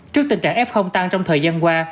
trước tình trạng f tăng trong thời gian qua